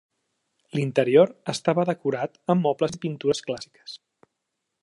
L'interior estava decorat amb mobles i pintures clàssiques.